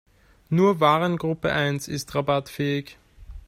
Nur Warengruppe eins ist rabattfähig.